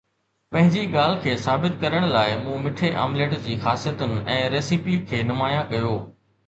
پنهنجي ڳالهه کي ثابت ڪرڻ لاءِ مون مٺي آمليٽ جي خاصيتن ۽ ريسيپي کي نمايان ڪيو